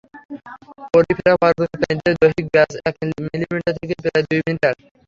Porifera পর্বের প্রাণীদের দৈহিক ব্যাস এক মিলিমিটার থেকে প্রায় দুই মিটার।